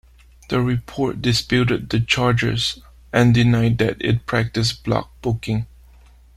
The report disputed the charges, and denied that it practiced block booking.